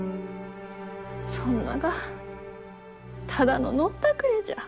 そんながただの飲んだくれじゃ。